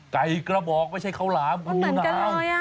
ไก่กระบอกไม่ใช่เข้าหลามกูหลาม